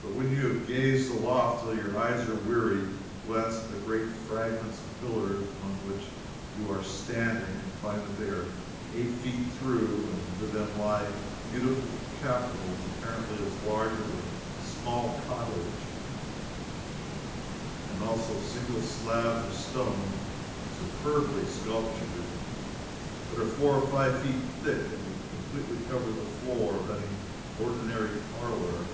But when you have gazed aloft till your eyes are weary, you glance at the great fragments of pillars among which you are standing, and find that they are eight feet through; and with them lie beautiful capitals apparently as large as a small cottage; and also single slabs of stone, superbly sculptured, that are four or five feet thick, and would completely cover the floor of any ordinary parlor.